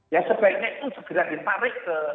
ya sebaiknya itu segera ditarik ke